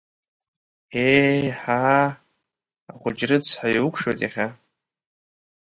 Ее ҳаа, ахәыҷ рыцҳа, иуқәшәоит иахьа!